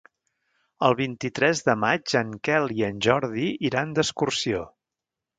El vint-i-tres de maig en Quel i en Jordi iran d'excursió.